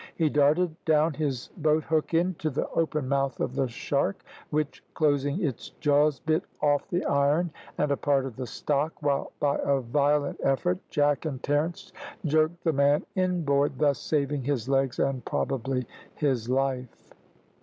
He darted down his boat hook into the open mouth of the shark, which, closing its jaws, bit off the iron and a part of the stock, while, by a violent effort, Jack and Terence jerked the man inboard, thus saving his legs, and probably his life.